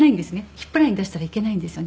ヒップライン出したらいけないんですよね。